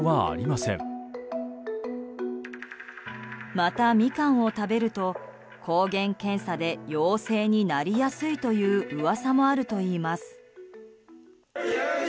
またミカンを食べると抗原検査で陽性になりやすいという噂もあるといいます。